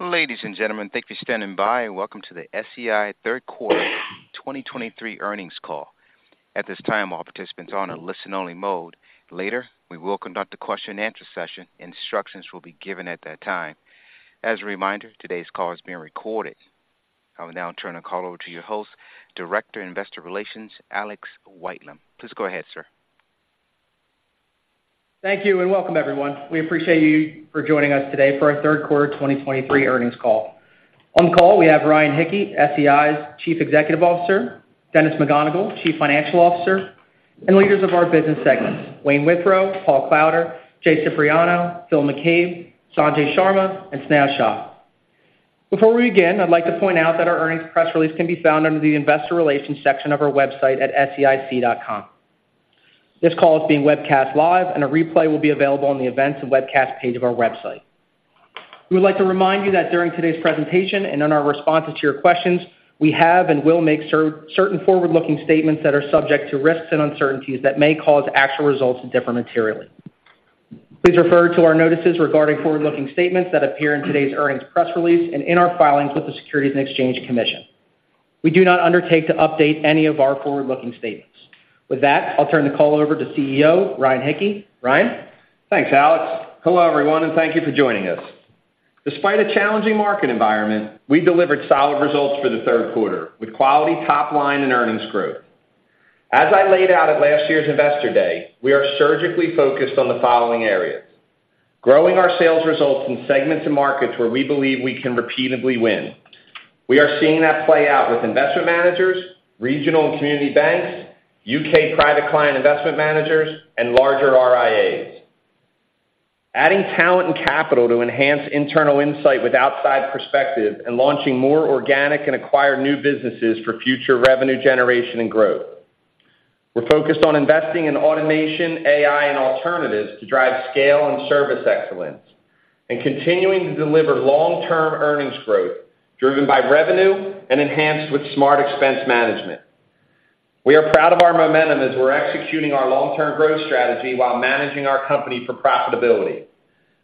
Ladies and gentlemen, thank you for standing by, and welcome to the SEI Third Quarter 2023 Earnings Call. At this time, all participants are on a listen-only mode. Later, we will conduct a question-and-answer session. Instructions will be given at that time. As a reminder, today's call is being recorded. I will now turn the call over to your host, Director of Investor Relations, Alex Whitelam. Please go ahead, sir. Thank you, and welcome, everyone. We appreciate you for joining us today for our Third Quarter 2023 Earnings Call. On the call, we have Ryan Hicke, SEI's Chief Executive Officer, Dennis McGonigle, Chief Financial Officer, and leaders of our business segments, Wayne Withrow, Paul Klauder, Jay Cipriano, Phil McCabe, Sanjay Sharma, and Sneha Shah. Before we begin, I'd like to point out that our earnings press release can be found under the Investor Relations section of our website at seic.com. This call is being webcast live, and a replay will be available on the Events and Webcast page of our website. We would like to remind you that during today's presentation and in our responses to your questions, we have and will make certain forward-looking statements that are subject to risks and uncertainties that may cause actual results to differ materially. Please refer to our notices regarding forward-looking statements that appear in today's earnings press release and in our filings with the Securities and Exchange Commission. We do not undertake to update any of our forward-looking statements. With that, I'll turn the call over to CEO, Ryan Hicke. Ryan? Thanks, Alex. Hello, everyone, and thank you for joining us. Despite a challenging market environment, we delivered solid results for the third quarter, with quality top line and earnings growth. As I laid out at last year's Investor Day, we are surgically focused on the following areas: growing our sales results in segments and markets where we believe we can repeatedly win. We are seeing that play out with investment managers, regional and community banks, U.K. private client investment managers, and larger RIAs. Adding talent and capital to enhance internal insight with outside perspective, and launching more organic and acquired new businesses for future revenue generation and growth. We're focused on investing in automation, AI, and alternatives to drive scale and service excellence, and continuing to deliver long-term earnings growth, driven by revenue and enhanced with smart expense management. We are proud of our momentum as we're executing our long-term growth strategy while managing our company for profitability.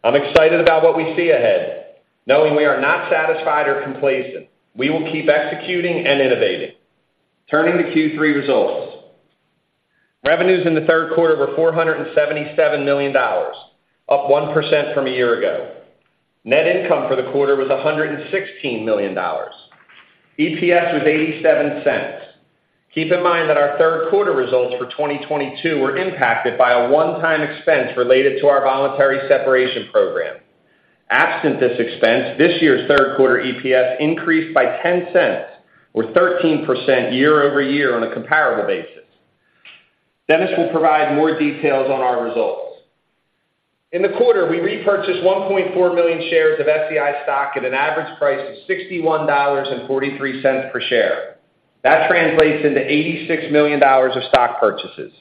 I'm excited about what we see ahead, knowing we are not satisfied or complacent. We will keep executing and innovating. Turning to Q3 results. Revenues in the third quarter were $477 million, up 1% from a year ago. Net income for the quarter was $116 million. EPS was $0.87. Keep in mind that our third quarter results for 2022 were impacted by a one-time expense related to our voluntary separation program. Absent this expense, this year's third quarter EPS increased by $0.10, or 13% year-over-year on a comparable basis. Dennis will provide more details on our results. In the quarter, we repurchased 1.4 million shares of SEI stock at an average price of $61.43 per share. That translates into $86 million of stock purchases.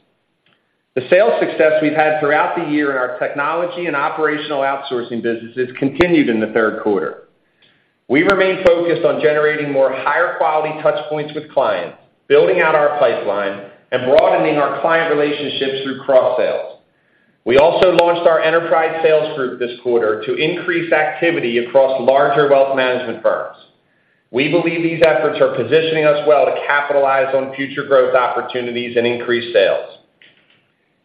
The sales success we've had throughout the year in our technology and operational outsourcing businesses continued in the third quarter. We remain focused on generating more higher-quality touch points with clients, building out our pipeline, and broadening our client relationships through cross-sales. We also launched our enterprise sales group this quarter to increase activity across larger wealth management firms. We believe these efforts are positioning us well to capitalize on future growth opportunities and increase sales.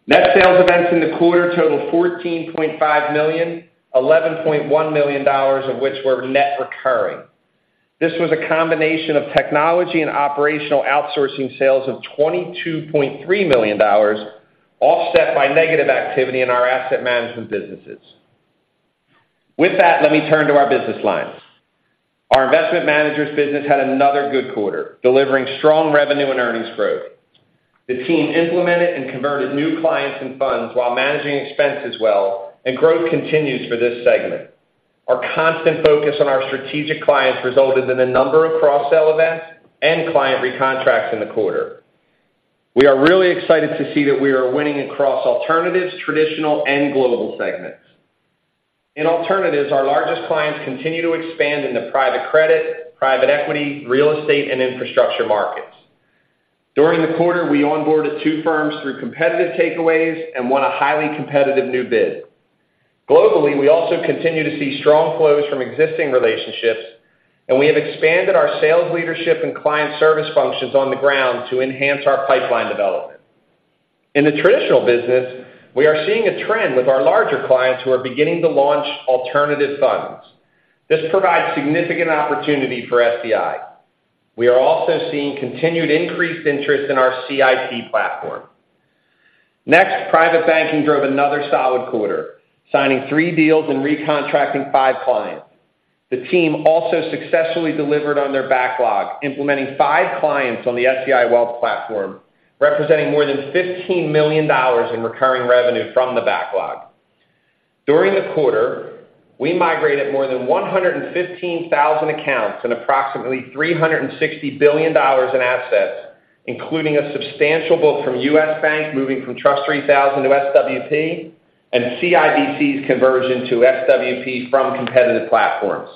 Net sales events in the quarter totaled 14.5 million, $11.1 million of which were net recurring. This was a combination of technology and operational outsourcing sales of $22.3 million, offset by negative activity in our asset management businesses. With that, let me turn to our business lines. Our investment managers business had another good quarter, delivering strong revenue and earnings growth. The team implemented and converted new clients and funds while managing expenses well, and growth continues for this segment. Our constant focus on our strategic clients resulted in a number of cross-sell events and client recontracts in the quarter. We are really excited to see that we are winning across alternatives, traditional, and global segments. In alternatives, our largest clients continue to expand in the private credit, private equity, real estate, and infrastructure markets. During the quarter, we onboarded two firms through competitive takeaways and won a highly competitive new bid. Globally, we also continue to see strong flows from existing relationships, and we have expanded our sales leadership and client service functions on the ground to enhance our pipeline development. In the traditional business, we are seeing a trend with our larger clients who are beginning to launch alternative funds. This provides significant opportunity for SEI. We are also seeing continued increased interest in our CIP Platform. Next, private banking drove another solid quarter, signing three deals and recontracting five clients. The team also successfully delivered on their backlog, implementing five clients on the SEI Wealth Platform, representing more than $15 million in recurring revenue from the backlog. During the quarter, we migrated more than 115,000 accounts and approximately $360 billion in assets, including a substantial both from US Bank, moving from TRUST 3000 to SWP, and CIBC's conversion to SWP from competitive platforms.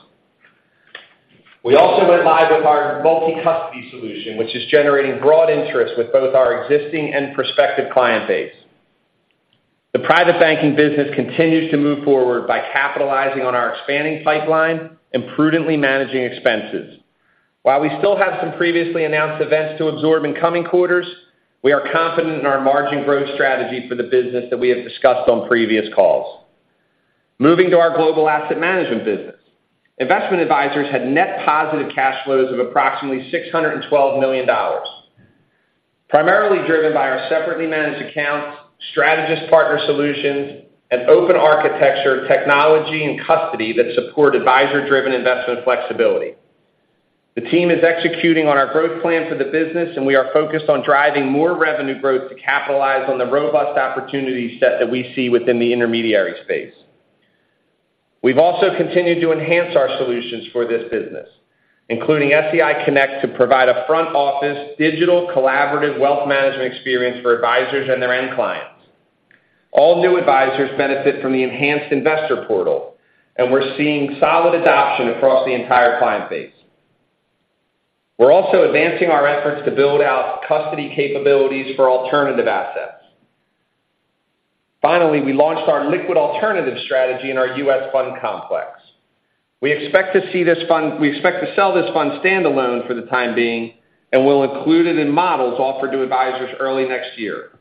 We also went live with our multi-custody solution, which is generating broad interest with both our existing and prospective client base. The private banking business continues to move forward by capitalizing on our expanding pipeline and prudently managing expenses. While we still have some previously announced events to absorb in coming quarters, we are confident in our margin growth strategy for the business that we have discussed on previous calls. Moving to our global asset management business. Investment advisors had net positive cash flows of approximately $612 million, primarily driven by our separately managed accounts, strategist partner solutions, and open architecture, technology, and custody that support advisor-driven investment flexibility. The team is executing on our growth plan for the business, and we are focused on driving more revenue growth to capitalize on the robust opportunity set that we see within the intermediary space. We've also continued to enhance our solutions for this business, including SEI Connect, to provide a front-office, digital, collaborative, wealth management experience for advisors and their end clients. All new advisors benefit from the enhanced investor portal, and we're seeing solid adoption across the entire client base. We're also advancing our efforts to build out custody capabilities for alternative assets. Finally, we launched our liquid alternative strategy in our U.S. fund complex. We expect to sell this fund standalone for the time being, and we'll include it in models offered to advisors early next year.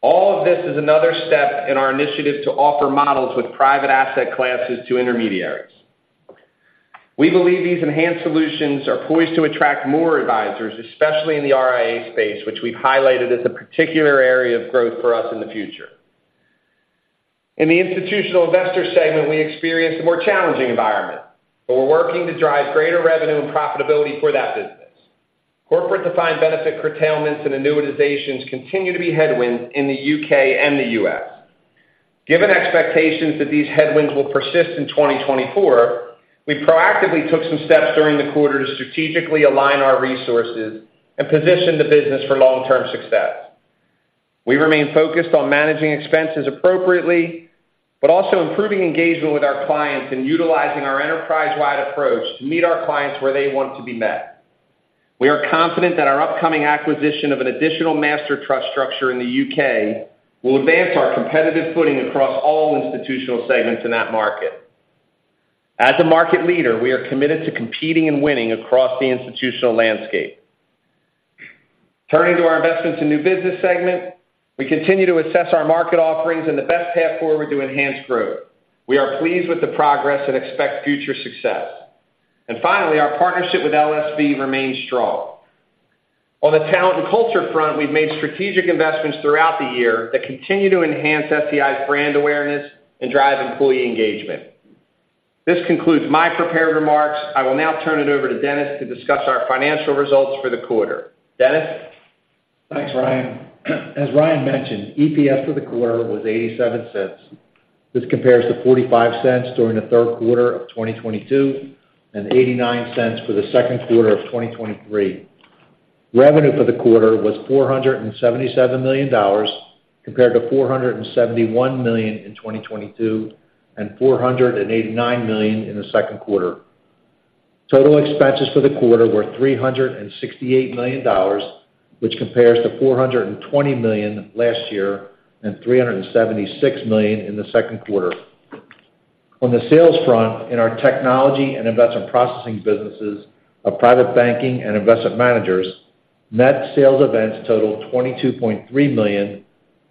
All of this is another step in our initiative to offer models with private asset classes to intermediaries. We believe these enhanced solutions are poised to attract more advisors, especially in the RIA space, which we've highlighted as a particular area of growth for us in the future. In the institutional investor segment, we experienced a more challenging environment, but we're working to drive greater revenue and profitability for that business. Corporate-defined benefit curtailments and annuitizations continue to be headwinds in the U.K. and the U.S. Given expectations that these headwinds will persist in 2024, we proactively took some steps during the quarter to strategically align our resources and position the business for long-term success. We remain focused on managing expenses appropriately, but also improving engagement with our clients and utilizing our enterprise-wide approach to meet our clients where they want to be met. We are confident that our upcoming acquisition of an additional master trust structure in the UK will advance our competitive footing across all institutional segments in that market. As a market leader, we are committed to competing and winning across the institutional landscape. Turning to our investments and new business segment, we continue to assess our market offerings and the best path forward to enhance growth. We are pleased with the progress and expect future success. Finally, our partnership with LSV remains strong. On the talent and culture front, we've made strategic investments throughout the year that continue to enhance SEI's brand awareness and drive employee engagement. This concludes my prepared remarks. I will now turn it over to Dennis to discuss our financial results for the quarter. Dennis? Thanks, Ryan. As Ryan mentioned, EPS for the quarter was $0.87. This compares to $0.45 during the third quarter of 2022, and $0.89 for the second quarter of 2023. Revenue for the quarter was $477 million, compared to $471 million in 2022, and $489 million in the second quarter. Total expenses for the quarter were $368 million, which compares to $420 million last year, and $376 million in the second quarter. On the sales front, in our technology and investment processing businesses of private banking and investment managers, net sales events totaled $22.3 million,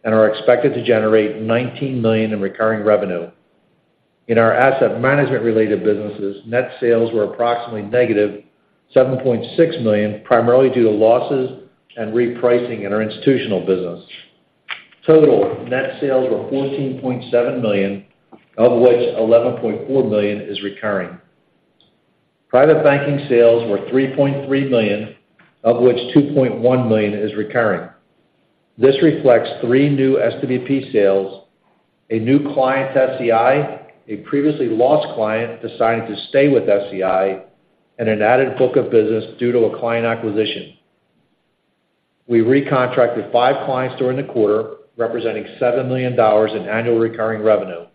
and are expected to generate $19 million in recurring revenue. In our asset management-related businesses, net sales were approximately -$7.6 million, primarily due to losses and repricing in our institutional business. Total net sales were $14.7 million, of which $11.4 million is recurring. Private banking sales were $3.3 million, of which $2.1 million is recurring. This reflects three new SWP sales, a new client to SEI, a previously lost client deciding to stay with SEI, and an added book of business due to a client acquisition. We recontracted 5 clients during the quarter, representing $7 million in annual recurring revenue.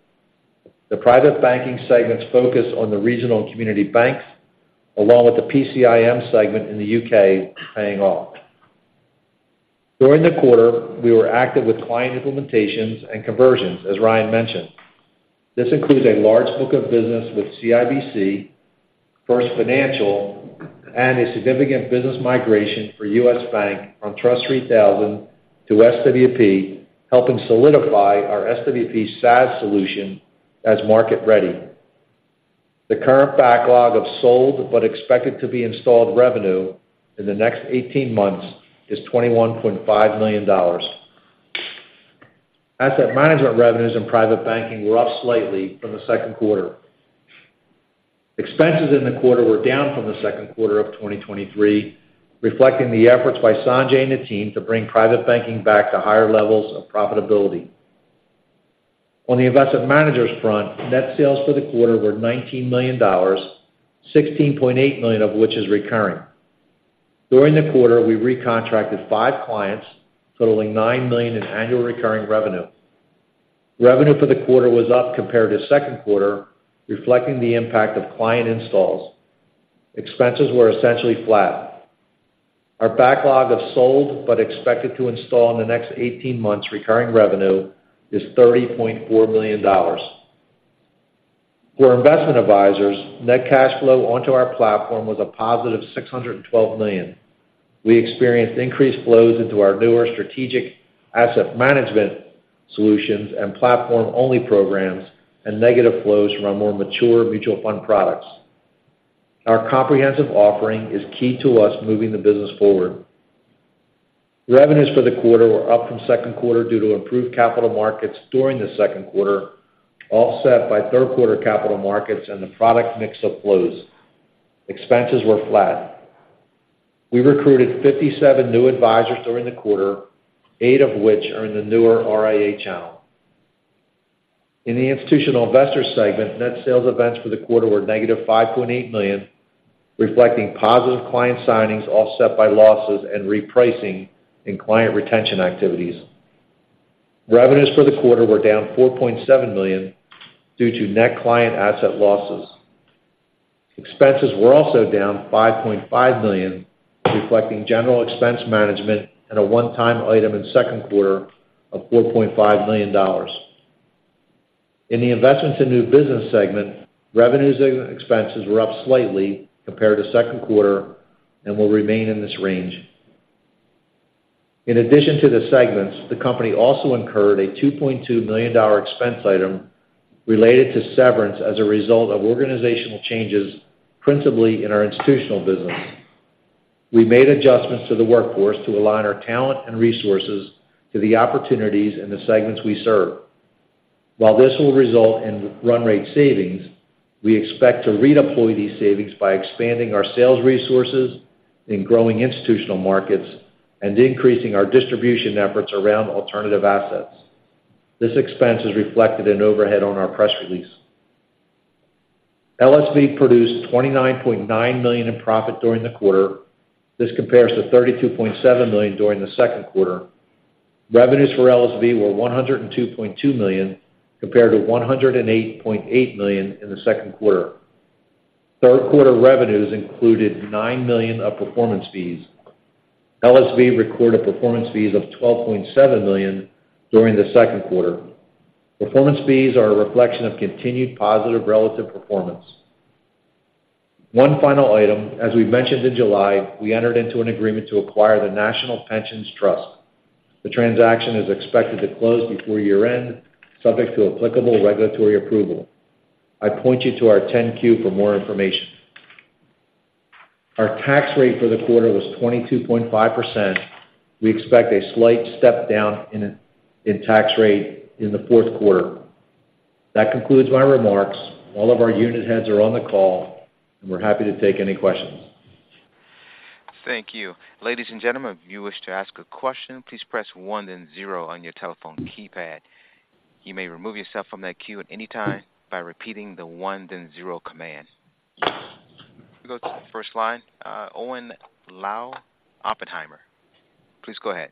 The private banking segment's focus on the regional and community banks, along with the PCIM segment in the UK, paying off. During the quarter, we were active with client implementations and conversions, as Ryan mentioned. This includes a large book of business with CIBC, First Financial, and a significant business migration for U.S. Bank from Trust 3000 to SWP, helping solidify our SWP SaaS solution as market-ready. The current backlog of sold but expected to be installed revenue in the next 18 months is $21.5 million. Asset management revenues and private banking were up slightly from the second quarter. Expenses in the quarter were down from the second quarter of 2023, reflecting the efforts by Sanjay and the team to bring private banking back to higher levels of profitability. On the investment managers front, net sales for the quarter were $19 million, $16.8 million of which is recurring. During the quarter, we recontracted five clients, totaling $9 million in annual recurring revenue. Revenue for the quarter was up compared to second quarter, reflecting the impact of client installs. Expenses were essentially flat. Our backlog of sold, but expected to install in the next 18 months, recurring revenue is $30.4 million. For investment advisors, net cash flow onto our platform was a positive $612 million. We experienced increased flows into our newer strategic asset management solutions and platform-only programs, and negative flows from our more mature mutual fund products. Our comprehensive offering is key to us moving the business forward. Revenues for the quarter were up from second quarter due to improved capital markets during the second quarter, offset by third quarter capital markets and the product mix of flows. Expenses were flat. We recruited 57 new advisors during the quarter, eight of which are in the newer RIA channel. In the institutional investor segment, net sales events for the quarter were negative $5.8 million, reflecting positive client signings, offset by losses and repricing in client retention activities. Revenues for the quarter were down $4.7 million due to net client asset losses. Expenses were also down $5.5 million, reflecting general expense management and a one-time item in second quarter of $4.5 million. In the investments and new business segment, revenues and expenses were up slightly compared to second quarter and will remain in this range. In addition to the segments, the company also incurred a $2.2 million expense item related to severance as a result of organizational changes, principally in our institutional business. We made adjustments to the workforce to align our talent and resources to the opportunities in the segments we serve. While this will result in run rate savings, we expect to redeploy these savings by expanding our sales resources in growing institutional markets and increasing our distribution efforts around alternative assets. This expense is reflected in overhead on our press release. LSV produced $29.9 million in profit during the quarter. This compares to $32.7 million during the second quarter. Revenues for LSV were $102.2 million, compared to $108.8 million in the second quarter. Third quarter revenues included $9 million of performance fees. LSV recorded performance fees of $12.7 million during the second quarter. Performance fees are a reflection of continued positive relative performance. One final item: as we mentioned in July, we entered into an agreement to acquire the National Pensions Trust. The transaction is expected to close before year-end, subject to applicable regulatory approval. I point you to our 10-Q for more information. Our tax rate for the quarter was 22.5%. We expect a slight step down in tax rate in the fourth quarter. That concludes my remarks. All of our unit heads are on the call, and we're happy to take any questions. Thank you. Ladies and gentlemen, if you wish to ask a question, please press one then zero on your telephone keypad. You may remove yourself from that queue at any time by repeating the one then zero command. We'll go to the first line, Owen Lau, Oppenheimer. Please go ahead.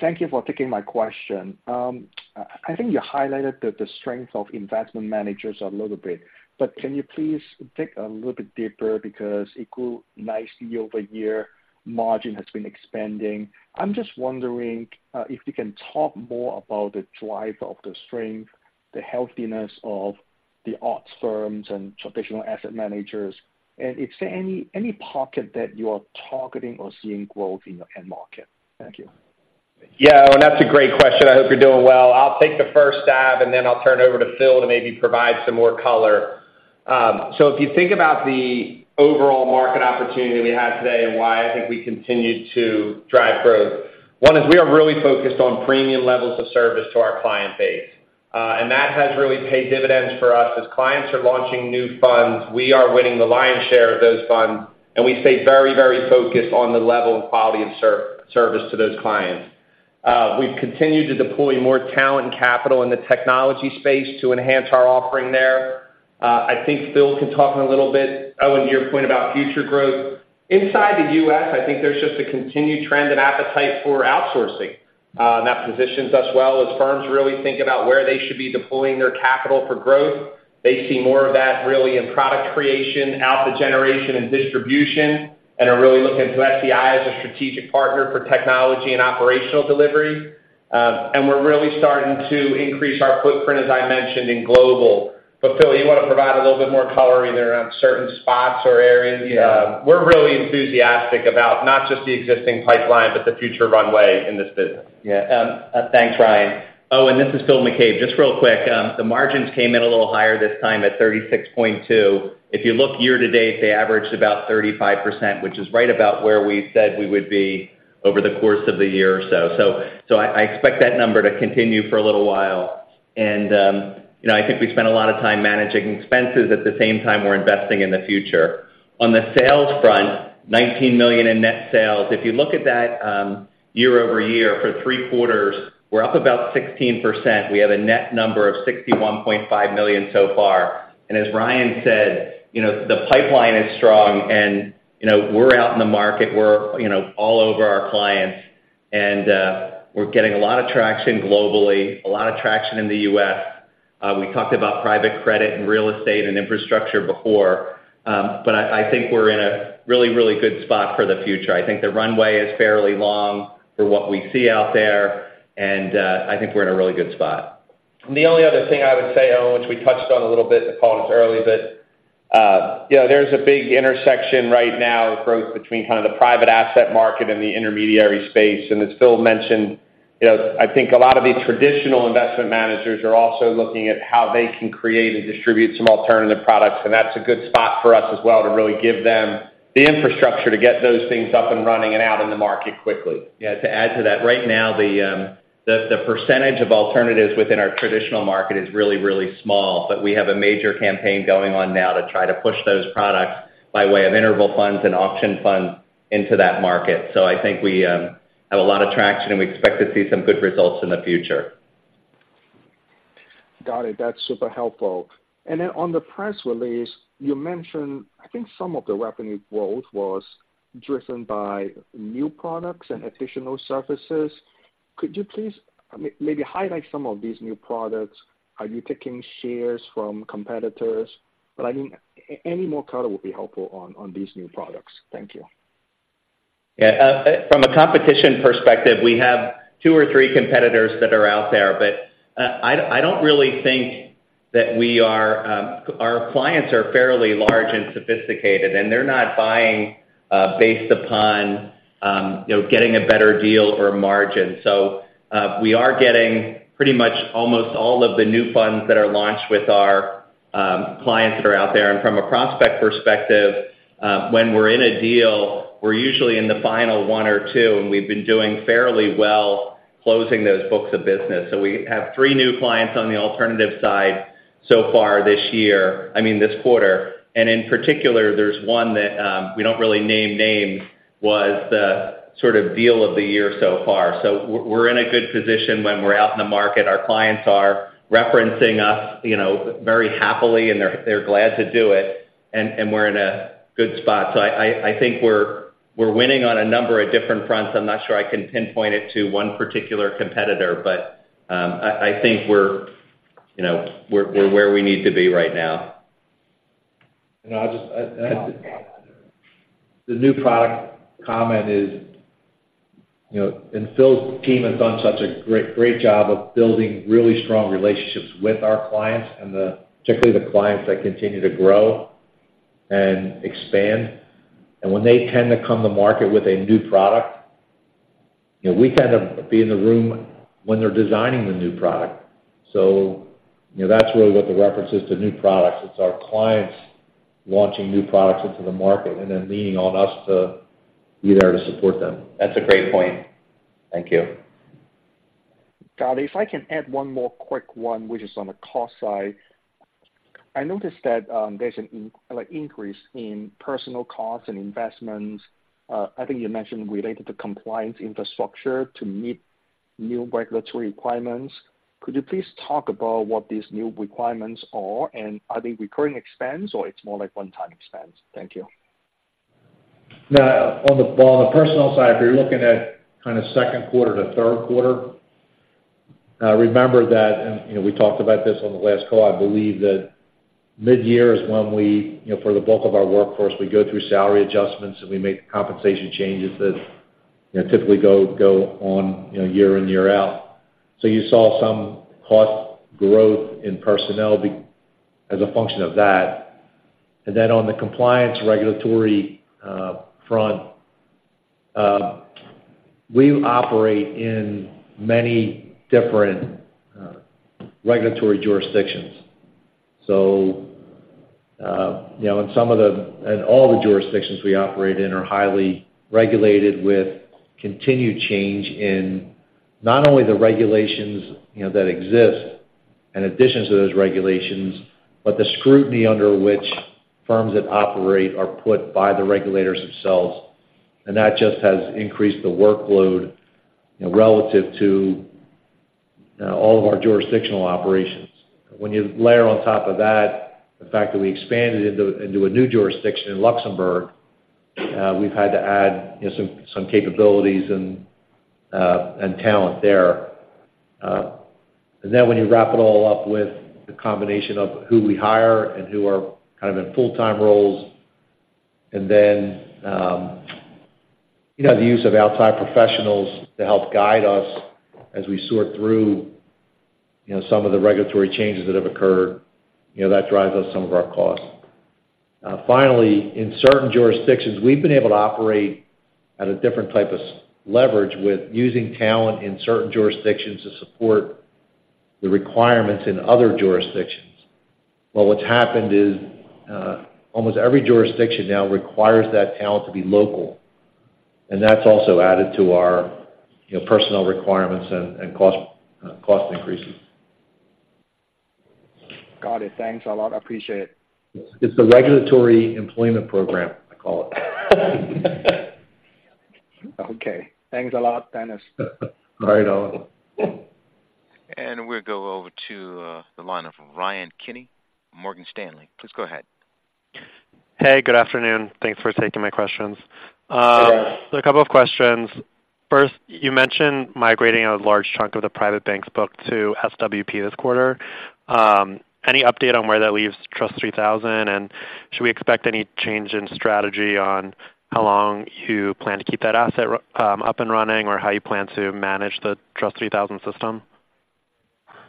Thank you for taking my question. I think you highlighted the strength of investment managers a little bit, but can you please dig a little bit deeper? Because it grew nicely over year, margin has been expanding. I'm just wondering, if you can talk more about the driver of the strength, the healthiness of the our firms and traditional asset managers, and is there any pocket that you are targeting or seeing growth in your end market? Thank you. Yeah, Owen, that's a great question. I hope you're doing well. I'll take the first dive, and then I'll turn it over to Phil to maybe provide some more color. So if you think about the overall market opportunity we have today and why I think we continue to drive growth, one is we are really focused on premium levels of service to our client base. And that has really paid dividends for us. As clients are launching new funds, we are winning the lion's share of those funds, and we stay very, very focused on the level and quality of service to those clients. We've continued to deploy more talent and capital in the technology space to enhance our offering there. I think Phil can talk a little bit, Owen, to your point about future growth. Inside the US, I think there's just a continued trend and appetite for outsourcing, and that positions us well. As firms really think about where they should be deploying their capital for growth, they see more of that really in product creation, alpha generation, and distribution, and are really looking to SEI as a strategic partner for technology and operational delivery. And we're really starting to increase our footprint, as I mentioned, in global. But Phil, you want to provide a little bit more color either around certain spots or areas? Yeah. We're really enthusiastic about not just the existing pipeline, but the future runway in this business. Yeah. Thanks, Ryan. Owen, this is Phil McCabe. Just real quick, the margins came in a little higher this time at 36.2. If you look year to date, they averaged about 35%, which is right about where we said we would be over the course of the year or so. So, I expect that number to continue for a little while. And, you know, I think we spent a lot of time managing expenses. At the same time, we're investing in the future. On the sales front, $19 million in net sales. If you look at that, year-over-year for three quarters, we're up about 16%. We have a net number of $61.5 million so far. And as Ryan said, you know, the pipeline is strong and, you know, we're out in the market. We're, you know, all over our clients. And, we're getting a lot of traction globally, a lot of traction in the U.S. We talked about private credit and real estate and infrastructure before, but I think we're in a really good spot for the future. I think the runway is fairly long for what we see out there, and, I think we're in a really good spot. The only other thing I would say, Owen, which we touched on a little bit in the call early, but, you know, there's a big intersection right now of growth between kind of the private asset market and the intermediary space. As Phil mentioned, you know, I think a lot of the traditional investment managers are also looking at how they can create and distribute some alternative products, and that's a good spot for us as well, to really give them the infrastructure to get those things up and running and out in the market quickly. Yeah, to add to that, right now, the percentage of alternatives within our traditional market is really, really small, but we have a major campaign going on now to try to push those products by way of interval funds and auction funds into that market. So I think we have a lot of traction, and we expect to see some good results in the future. Got it. That's super helpful. And then on the press release, you mentioned, I think some of the revenue growth was driven by new products and additional services. Could you please maybe highlight some of these new products? Are you taking shares from competitors? But I mean, any more color will be helpful on these new products. Thank you. Yeah, from a competition perspective, we have two or three competitors that are out there, but, I don't really think that we are our clients are fairly large and sophisticated, and they're not buying, based upon, you know, getting a better deal or margin. So, we are getting pretty much almost all of the new funds that are launched with our, clients that are out there. And from a prospect perspective, when we're in a deal, we're usually in the final one or two, and we've been doing fairly well closing those books of business. So we have three new clients on the alternative side so far this year, I mean, this quarter. And in particular, there's one that, we don't really name names, was the sort of deal of the year so far. So we're in a good position when we're out in the market. Our clients are referencing us, you know, very happily, and they're glad to do it, and we're in a good spot. So I think we're winning on a number of different fronts. I'm not sure I can pinpoint it to one particular competitor, but I think we're, you know, where we need to be right now. And I'll just the new product comment is, you know, and Phil's team has done such a great, great job of building really strong relationships with our clients, and particularly the clients that continue to grow and expand. And when they tend to come to market with a new product, you know, we kind of be in the room when they're designing the new product. So, you know, that's really what the reference is to new products. It's our clients launching new products into the market and then leaning on us to be there to support them. That's a great point. Thank you. Got it. If I can add one more quick one, which is on the cost side. I noticed that, there's an increase in personnel costs and investments, I think you mentioned related to compliance infrastructure to meet new regulatory requirements. Could you please talk about what these new requirements are, and are they recurring expense or it's more like one-time expense? Thank you. Now, on the personal side, if you're looking at kind of second quarter to third quarter, remember that, and you know, we talked about this on the last call. I believe that mid-year is when we, you know, for the bulk of our workforce, we go through salary adjustments, and we make compensation changes that, you know, typically go on, you know, year in, year out. So you saw some cost growth in personnel as a function of that. And then on the compliance regulatory front, we operate in many different regulatory jurisdictions. So, you know, in some of the and all the jurisdictions we operate in are highly regulated, with continued change in not only the regulations, you know, that exist in addition to those regulations, but the scrutiny under which firms that operate are put by the regulators themselves. That just has increased the workload, you know, relative to all of our jurisdictional operations. When you layer on top of that, the fact that we expanded into a new jurisdiction in Luxembourg, we've had to add, you know, some capabilities and talent there. And then when you wrap it all up with the combination of who we hire and who are kind of in full-time roles, and then, you know, the use of outside professionals to help guide us as we sort through, you know, some of the regulatory changes that have occurred, you know, that drives up some of our costs. Finally, in certain jurisdictions, we've been able to operate at a different type of leverage with using talent in certain jurisdictions to support the requirements in other jurisdictions. Well, what's happened is, almost every jurisdiction now requires that talent to be local, and that's also added to our, you know, personnel requirements and cost increases. Got it. Thanks a lot. I appreciate it. It's the regulatory employment program, I call it. Okay. Thanks a lot, Dennis. All right, Owen. And we'll go over to, the line of Ryan Kenny, Morgan Stanley. Please go ahead. Hey, good afternoon. Thanks for taking my questions. A couple of questions. First, you mentioned migrating a large chunk of the private banks book to SWP this quarter. Any update on where that leaves Trust 3000? And should we expect any change in strategy on how long you plan to keep that asset up and running, or how you plan to manage the Trust 3000 system?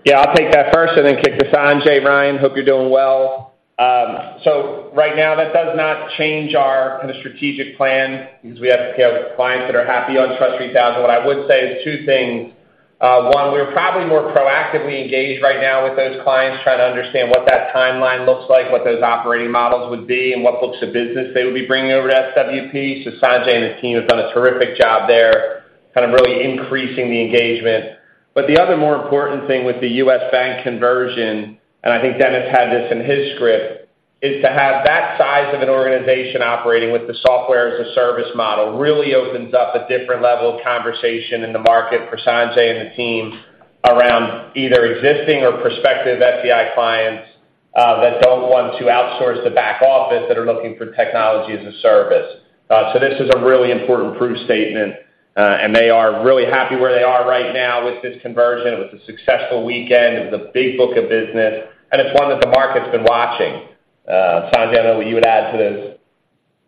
Yeah, I'll take that first and then kick this on, Jay Ryan. Hope you're doing well. So right now, that does not change our kind of strategic plan because we have, you know, clients that are happy on TRUST 3000. What I would say is two things. One, we're probably more proactively engaged right now with those clients, trying to understand what that timeline looks like, what those operating models would be, and what books of business they would be bringing over to SWP. So Sanjay and his team have done a terrific job there, kind of really increasing the engagement. The other more important thing with the U.S. Bank conversion, and I think Dennis had this in his script, is to have that size of an organization operating with the software as a service model, really opens up a different level of conversation in the market for Sanjay and the team around either existing or prospective FBO clients, that don't want to outsource the back office, that are looking for technology as a service. So this is a really important proof statement, and they are really happy where they are right now with this conversion. It was a successful weekend. It was a big book of business, and it's one that the market's been watching. Sanjay, I know what you would add to this.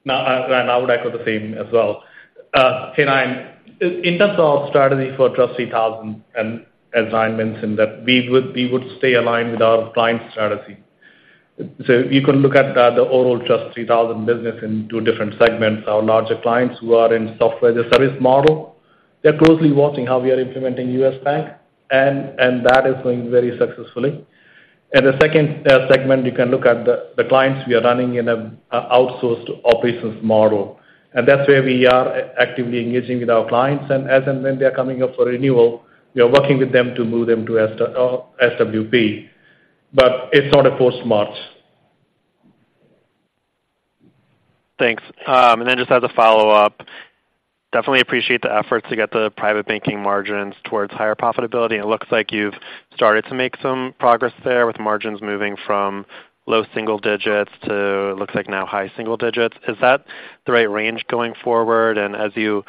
No, and I would echo the same as well. Hey, Ryan, in terms of strategy for Trust 3000, and as I mentioned, that we would, we would stay aligned with our client strategy. So you can look at the overall Trust 3000 business in two different segments. Our larger clients who are in software, the service model, they're closely watching how we are implementing US Bank, and that is going very successfully. And the second segment, you can look at the clients we are running in a outsourced operations model, and that's where we are actively engaging with our clients. And as and when they are coming up for renewal, we are working with them to move them to SWP, but it's not a forced march. Thanks. And then just as a follow-up, definitely appreciate the efforts to get the private banking margins towards higher profitability. It looks like you've started to make some progress there, with margins moving from low single digits to looks like now high single digits. Is that the right range going forward? And as you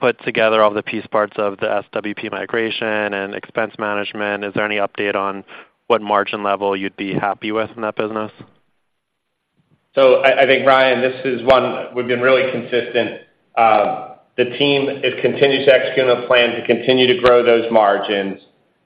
put together all the piece parts of the SWP migration and expense management, is there any update on what margin level you'd be happy with in that business? So I think, Ryan, this is one we've been really consistent. The team, it continues to execute a plan to continue to grow those margins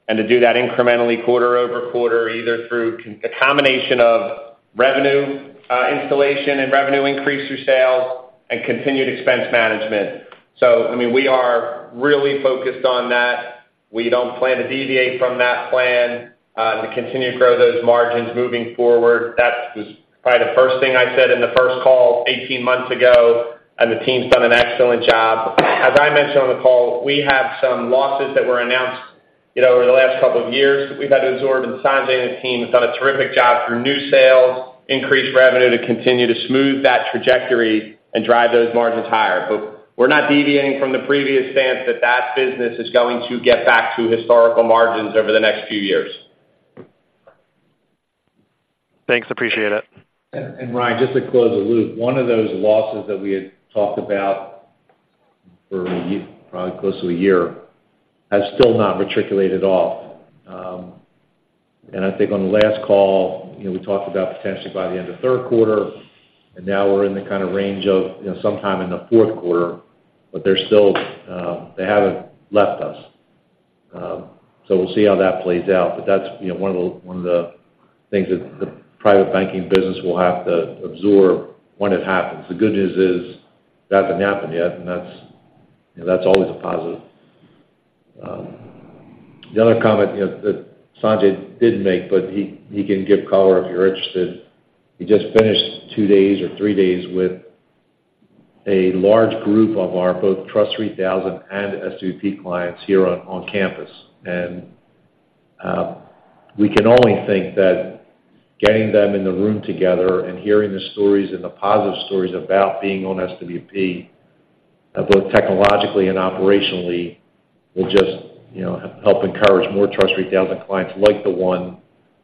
and to do that incrementally, quarter-over-quarter, either through a combination of revenue, institutional and revenue increase through sales and continued expense management. So I mean, we are really focused on that. We don't plan to deviate from that plan to continue to grow those margins moving forward. That was probably the first thing I said in the first call eighteen months ago, and the team's done an excellent job. As I mentioned on the call, we have some losses that were announced, you know, over the last couple of years. We've had to absorb, and Sanjay and his team have done a terrific job through new sales, increased revenue to continue to smooth that trajectory and drive those margins higher. But we're not deviating from the previous stance that that business is going to get back to historical margins over the next few years. Thanks, appreciate it. Ryan, just to close the loop, one of those losses that we had talked about for probably close to a year has still not migrated off. And I think on the last call, you know, we talked about potentially by the end of third quarter, and now we're in the kind of range of, you know, sometime in the fourth quarter. But they're still... They haven't left us. So we'll see how that plays out, but that's, you know, one of the, one of the things that the private banking business will have to absorb when it happens. The good news is it hasn't happened yet, and that's, you know, that's always a positive. The other comment, you know, that Sanjay did make, but he can give color if you're interested. He just finished two days or three days with a large group of our both TRUST 3000 and SWP clients here on campus. And we can only think that getting them in the room together and hearing the stories and the positive stories about being on SWP, both technologically and operationally, will just, you know, help encourage more TRUST 3000 clients like the one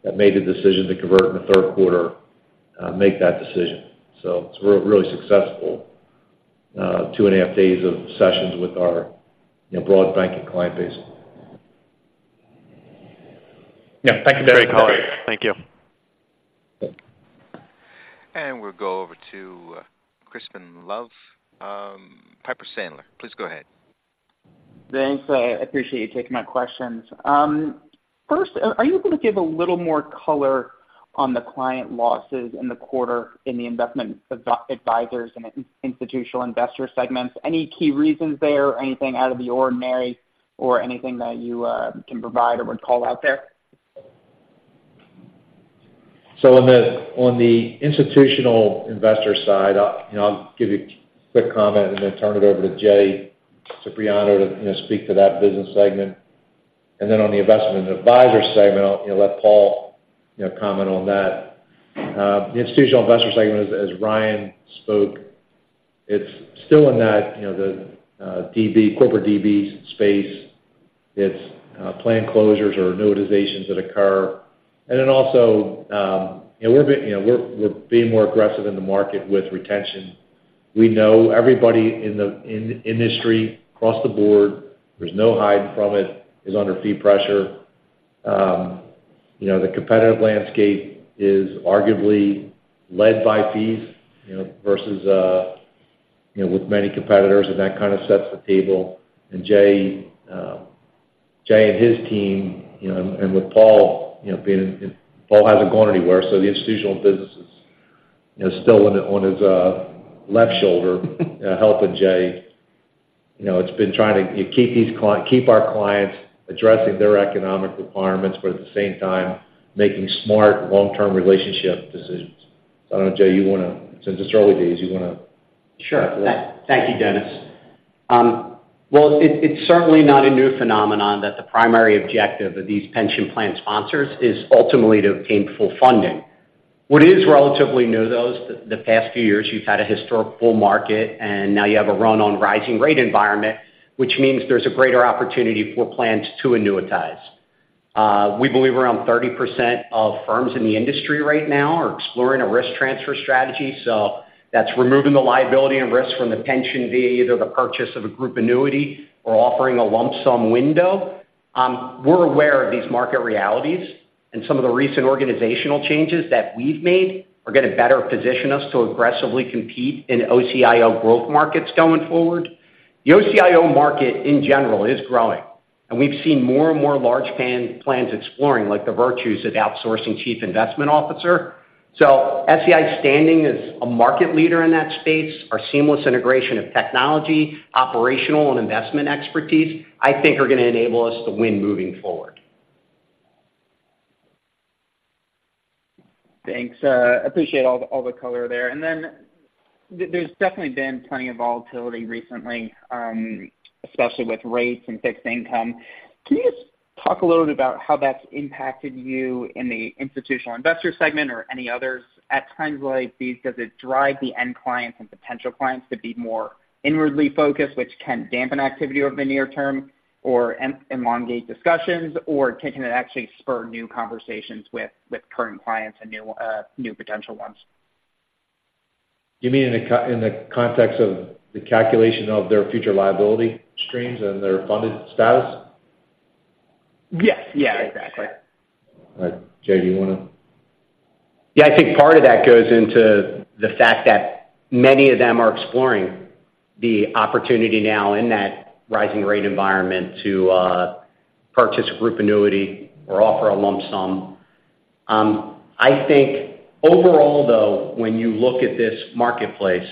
that made the decision to convert in the third quarter, make that decision. So it's really successful, 2.5 days of sessions with our, you know, broad banking client base. Yeah. Thank you very much. Thank you. And we'll go over to Crispin Love, Piper Sandler. Please go ahead. Thanks. I appreciate you taking my questions. First, are you going to give a little more color on the client losses in the quarter in the investment advisors and institutional investor segments? Any key reasons there, anything out of the ordinary or anything that you can provide or would call out there? So on the institutional investor side, I you know, I'll give you a quick comment and then turn it over to Jay Cipriano to you know, speak to that business segment. And then on the investment advisor segment, I'll you know, let Paul you know, comment on that. The institutional investor segment, as Ryan spoke, It's still in that you know, the DB, corporate DB space. It's plan closures or annuitizations that occur. And then also you know, we're you know, we're being more aggressive in the market with retention. We know everybody in the in the industry, across the board, there's no hiding from it, is under fee pressure. You know, the competitive landscape is arguably led by fees, you know, versus you know, with many competitors, and that kind of sets the table. And Jay, Jay and his team, you know, and with Paul, you know, being in Paul hasn't gone anywhere, so the institutional business is, you know, still on his left shoulder helping Jay. You know, it's been trying to keep our clients addressing their economic requirements, but at the same time, making smart, long-term relationship decisions. I don't know, Jay, you want to... Since it's early days, you want to? Sure. Thank, thank you, Dennis. Well, it's certainly not a new phenomenon that the primary objective of these pension plan sponsors is ultimately to obtain full funding. What is relatively new, though, is the past few years, you've had a historical market, and now you have a run on rising rate environment, which means there's a greater opportunity for plans to annuitize. We believe around 30% of firms in the industry right now are exploring a risk transfer strategy. So that's removing the liability and risk from the pension via either the purchase of a group annuity or offering a lump sum window. We're aware of these market realities, and some of the recent organizational changes that we've made are going to better position us to aggressively compete in OCIO growth markets going forward. The OCIO market, in general, is growing, and we've seen more and more large pension plans exploring, like, the virtues of outsourcing chief investment officer. So SEI's standing as a market leader in that space, our seamless integration of technology, operational and investment expertise, I think are going to enable us to win moving forward. Thanks. Appreciate all the, all the color there. And then, there's definitely been plenty of volatility recently, especially with rates and fixed income. Can you just talk a little bit about how that's impacted you in the institutional investor segment or any others? At times like these, does it drive the end clients and potential clients to be more inwardly focused, which can dampen activity over the near term or elongate discussions, or can it actually spur new conversations with, with current clients and new, new potential ones? You mean in the context of the calculation of their future liability streams and their funded status? Yes. Yeah, exactly. All right. Jay, do you want to? Yeah, I think part of that goes into the fact that many of them are exploring the opportunity now in that rising rate environment to purchase a group annuity or offer a lump sum. I think overall, though, when you look at this marketplace,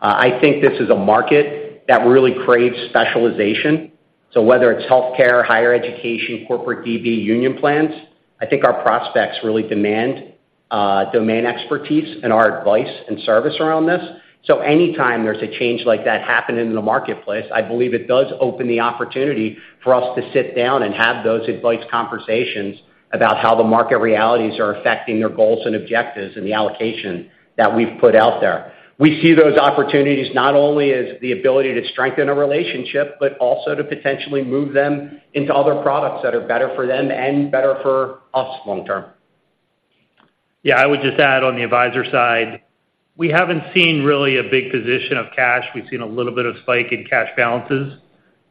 I think this is a market that really craves specialization. So whether it's healthcare, higher education, corporate DB, union plans, I think our prospects really demand domain expertise and our advice and service around this. So anytime there's a change like that happening in the marketplace, I believe it does open the opportunity for us to sit down and have those advice conversations about how the market realities are affecting their goals and objectives and the allocation that we've put out there. We see those opportunities not only as the ability to strengthen a relationship, but also to potentially move them into other products that are better for them and better for us long term. Yeah, I would just add on the advisor side, we haven't seen really a big position of cash. We've seen a little bit of spike in cash balances.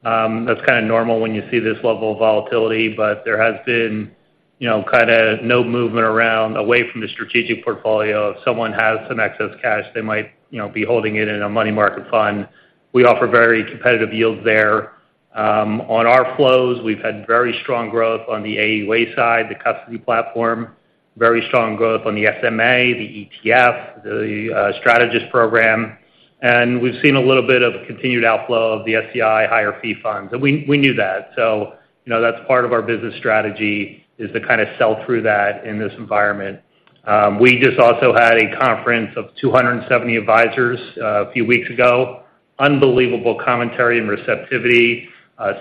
That's kind of normal when you see this level of volatility, but there has been, you know, kind of no movement around, away from the strategic portfolio. If someone has some excess cash, they might, you know, be holding it in a money market fund. We offer very competitive yields there. On our flows, we've had very strong growth on the AUA side, the custody platform, very strong growth on the SMA, the ETF, the strategist program, and we've seen a little bit of continued outflow of the SEI higher fee funds. And we, we knew that, so you know, that's part of our business strategy, is to kind of sell through that in this environment. We just also had a conference of 270 advisors a few weeks ago. Unbelievable commentary and receptivity,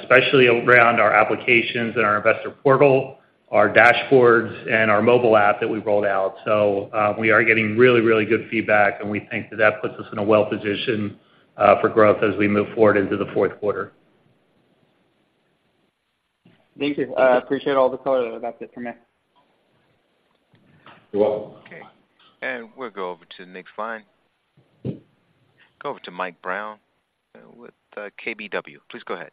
especially around our applications and our investor portal, our dashboards, and our mobile app that we rolled out. So, we are getting really, really good feedback, and we think that that puts us in a well position, for growth as we move forward into the fourth quarter. Thank you. Appreciate all the color. That's it for me. You're welcome. Okay. We'll go over to Nick Fine. Go over to Mike Brown with KBW. Please go ahead.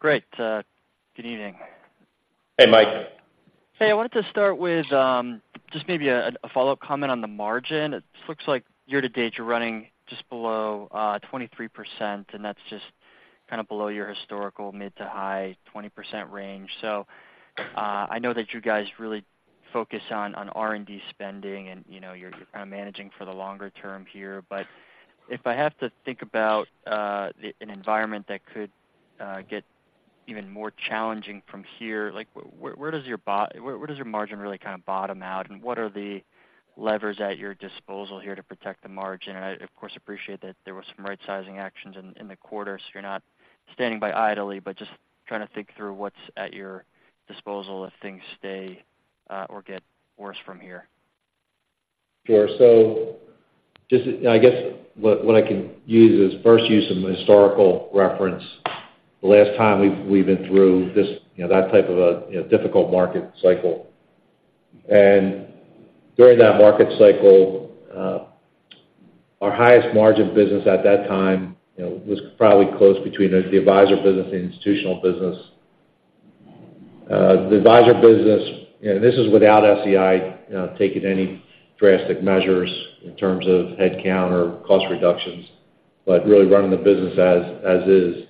Great. Good evening. Hey, Mike. Hey, I wanted to start with just maybe a follow-up comment on the margin. It looks like year to date, you're running just below 23%, and that's just kind of below your historical mid- to high-20% range. So, I know that you guys really focus on R&D spending, and you know, you're kind of managing for the longer term here. But if I have to think about an environment that could get even more challenging from here, like, where does your margin really kind of bottom out? And what are the levers at your disposal here to protect the margin? I, of course, appreciate that there were some rightsizing actions in the quarter, so you're not standing by idly, but just trying to think through what's at your disposal if things stay or get worse from here? Sure. So just, I guess, what, what I can use is first use some historical reference. The last time we've been through this, you know, that type of a, you know, difficult market cycle. And during that market cycle, our highest margin business at that time, you know, was probably close between the advisor business and institutional business. The advisor business, and this is without SEI taking any drastic measures in terms of headcount or cost reductions, but really running the business as is.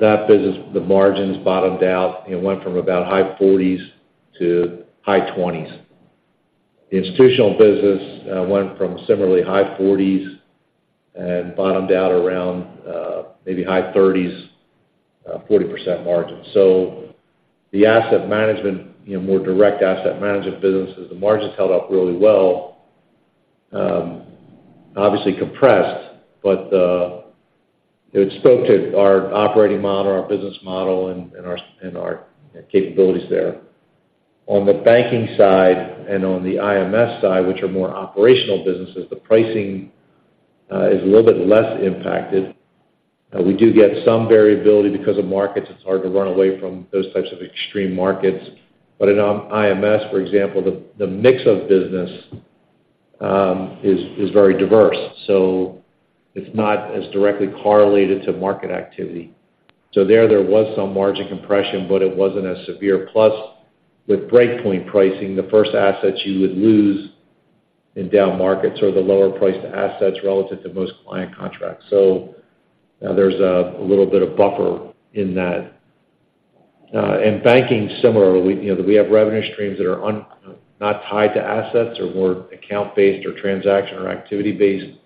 That business, the margins bottomed out, it went from about high 40s% to high 20s%. The institutional business went from similarly high 40s% and bottomed out around maybe high 30s%, 40% margin. So the asset management, you know, more direct asset management businesses, the margins held up really well, obviously compressed, but it spoke to our operating model, our business model, and, and our, and our capabilities there. On the banking side and on the IMS side, which are more operational businesses, the pricing is a little bit less impacted. We do get some variability because of markets. It's hard to run away from those types of extreme markets. But in IMS, for example, the mix of business is very diverse, so it's not as directly correlated to market activity. So there was some margin compression, but it wasn't as severe. Plus, with breakpoint pricing, the first assets you would lose in down markets are the lower-priced assets relative to most client contracts. So there's a little bit of buffer in that. In banking, similarly, you know, we have revenue streams that are not tied to assets or more account-based or transaction or activity-based.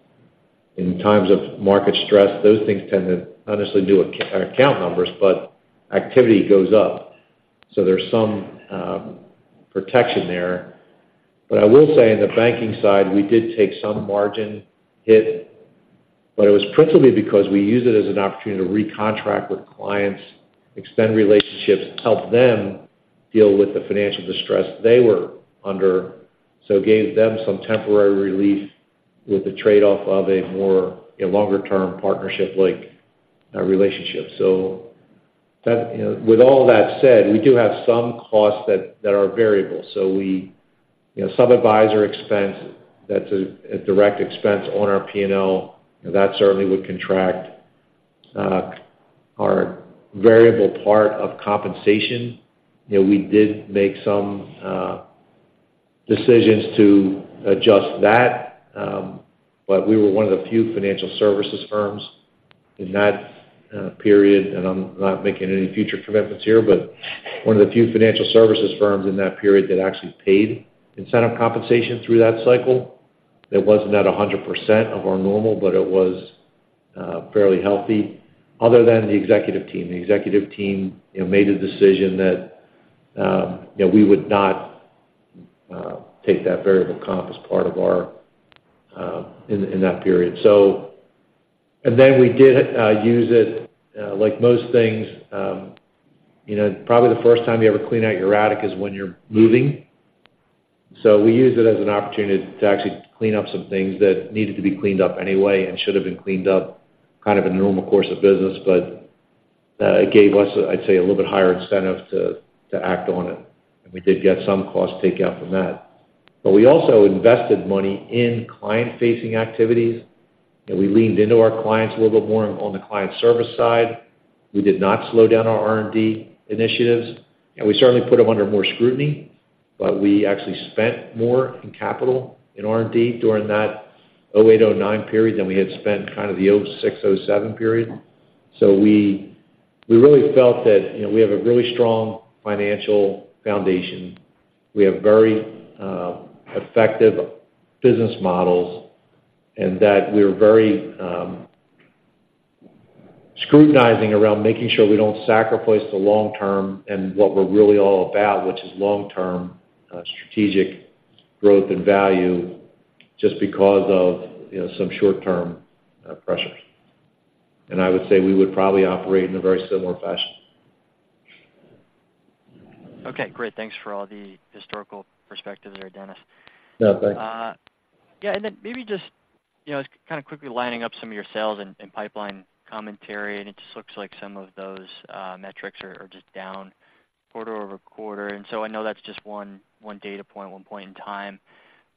In times of market stress, those things tend to honestly do account numbers, but activity goes up. So there's some protection there. But I will say in the banking side, we did take some margin hit, but it was principally because we used it as an opportunity to recontract with clients, extend relationships, help them deal with the financial distress they were under. So it gave them some temporary relief with the trade-off of a more, a longer-term partnership-like relationship. So that, you know, with all that said, we do have some costs that are variable. So we, you know, some advisor expense, that's a direct expense on our P&L, and that certainly would contract our variable part of compensation. You know, we did make some decisions to adjust that, but we were one of the few financial services firms in that period, and I'm not making any future commitments here, but one of the few financial services firms in that period that actually paid incentive compensation through that cycle. It wasn't at 100% of our normal, but it was fairly healthy, other than the executive team. The executive team, you know, made a decision that, you know, we would not take that variable comp as part of our in that period. And then we did use it, like most things, you know, probably the first time you ever clean out your attic is when you're moving. So we used it as an opportunity to actually clean up some things that needed to be cleaned up anyway and should have been cleaned up, kind of in the normal course of business, but it gave us, I'd say, a little bit higher incentive to act on it, and we did get some cost takeout from that. But we also invested money in client-facing activities, and we leaned into our clients a little bit more on the client service side. We did not slow down our R&D initiatives, and we certainly put them under more scrutiny, but we actually spent more in capital in R&D during that 2008, 2009 period than we had spent kind of the 2006, 2007 period. So we really felt that, you know, we have a really strong financial foundation. We have very effective business models, and that we're very scrutinizing around making sure we don't sacrifice the long term and what we're really all about, which is long-term strategic growth and value, just because of, you know, some short-term pressures. I would say we would probably operate in a very similar fashion. Okay, great. Thanks for all the historical perspectives there, Dennis. Yeah, thanks. Yeah, and then maybe just, you know, kind of quickly lining up some of your sales and pipeline commentary, and it just looks like some of those metrics are just down quarter-over-quarter. And so I know that's just one data point, one point in time.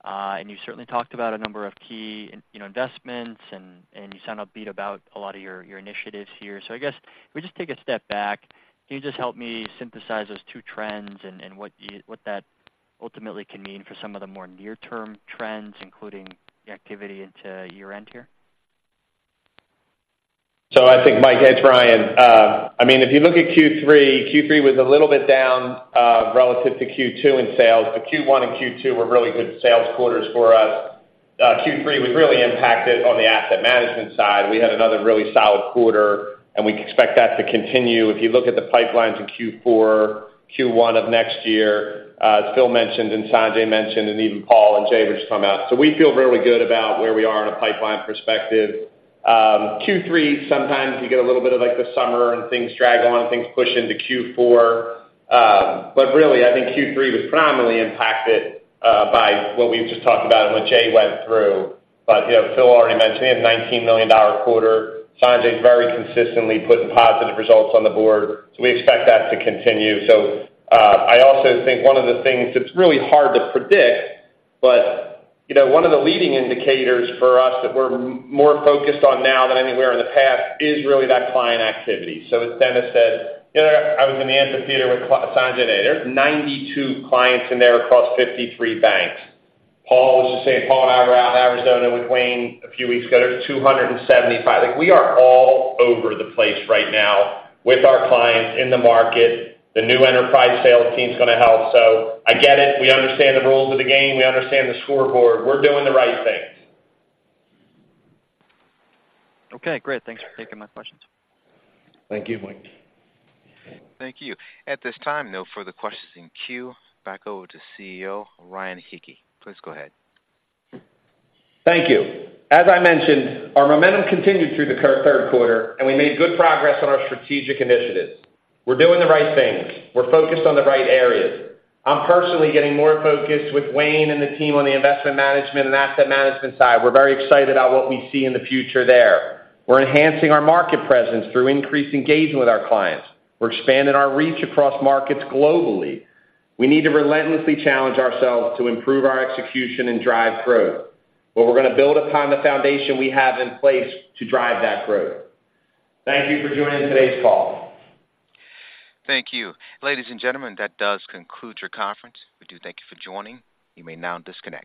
And you certainly talked about a number of key, you know, investments, and you sound upbeat about a lot of your initiatives here. So I guess if we just take a step back, can you just help me synthesize those two trends and what you—what that ultimately can mean for some of the more near-term trends, including the activity into year-end here? So I think, Mike, it's Ryan. I mean, if you look at Q3, Q3 was a little bit down, relative to Q2 in sales, but Q1 and Q2 were really good sales quarters for us. Q3 was really impacted on the asset management side. We had another really solid quarter, and we expect that to continue. If you look at the pipelines in Q4, Q1 of next year, as Phil mentioned, and Sanjay mentioned, and even Paul and Jay were just talking about. So we feel really good about where we are in a pipeline perspective. Q3, sometimes you get a little bit of, like, the summer, and things drag on, and things push into Q4. But really, I think Q3 was primarily impacted, by what we've just talked about and what Jay went through. But, you know, Phil already mentioned, we have $19 million dollar quarter. Sanjay's very consistently putting positive results on the board, so we expect that to continue. So, I also think one of the things that's really hard to predict, but, you know, one of the leading indicators for us that we're more focused on now than anywhere in the past, is really that client activity. So as Dennis said, you know, I was in the amphitheater with Sanjay today. There's 92 clients in there across 53 banks. Paul was just saying, Paul and I were out in Arizona with Wayne a few weeks ago. There was 275. Like, we are all over the place right now with our clients in the market. The new enterprise sales team's gonna help. So I get it. We understand the rules of the game. We understand the scoreboard. We're doing the right things. Okay, great. Thanks for taking my questions. Thank you, Mike. Thank you. At this time, no further questions in queue. Back over to CEO, Ryan Hicke. Please go ahead. Thank you. As I mentioned, our momentum continued through the third quarter, and we made good progress on our strategic initiatives. We're doing the right things. We're focused on the right areas. I'm personally getting more focused with Wayne and the team on the investment management and asset management side. We're very excited about what we see in the future there. We're enhancing our market presence through increased engagement with our clients. We're expanding our reach across markets globally. We need to relentlessly challenge ourselves to improve our execution and drive growth, but we're gonna build upon the foundation we have in place to drive that growth. Thank you for joining today's call. Thank you. Ladies and gentlemen, that does conclude your conference. We do thank you for joining. You may now disconnect.